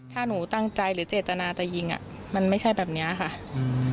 ถ้าหนูตั้งใจหรือเจตนาจะยิงอ่ะมันไม่ใช่แบบเนี้ยค่ะอืม